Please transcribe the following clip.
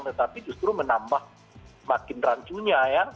tetapi justru menambah makin rancunya ya